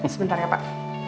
sebentar ya pak